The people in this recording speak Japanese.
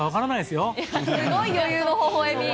すごい余裕のほほ笑み。